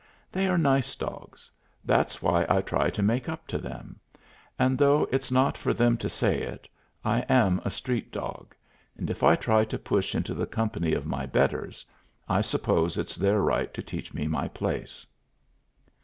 They are nice dogs; that's why I try to make up to them: and, though it's not for them to say it, I am a street dog, and if I try to push into the company of my betters, I suppose it's their right to teach me my place.